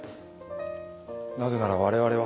なぜなら我々は。